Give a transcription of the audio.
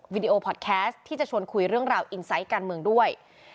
ดีโอพอร์ตแคสต์ที่จะชวนคุยเรื่องราวอินไซต์การเมืองด้วย